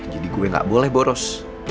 jadi gue gak boleh boros